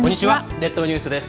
列島ニュースです。